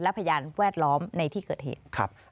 และพยานแวดล้อมในที่เกิดเหตุ